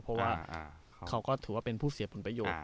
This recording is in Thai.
เพราะว่าเขาก็ถือว่าเป็นผู้เสียผลประโยชน์